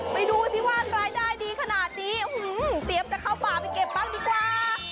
ดูสิว่ารายได้ดีขนาดนี้เตรียมจะเข้าป่าไปเก็บบ้างดีกว่า